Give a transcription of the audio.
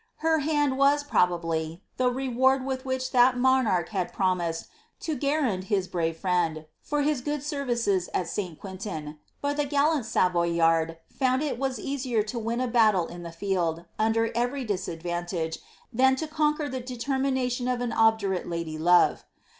Her hand was, probably, the reward with which that monarch had promised to giierdon his brave friend, for his good services at St. Quentin, but the gallant Savoyard found that it was easier to win a battle in the field, under every disad vantage, than to conquer the determination of an obdurate lady love.